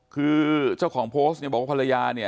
คือเจ้าของโพสต์บอกว่าภรรยา